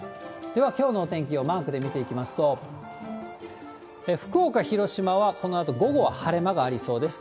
では、きょうのお天気をマークで見ていきますと、福岡、広島はこのあと午後は晴れ間がありそうです。